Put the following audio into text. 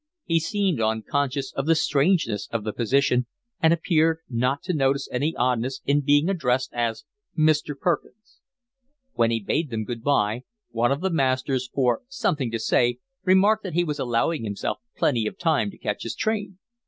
He seemed unconscious of the strangeness of the position and appeared not to notice any oddness in being addressed as Mr. Perkins. When he bade them good bye, one of the masters, for something to say, remarked that he was allowing himself plenty of time to catch his train.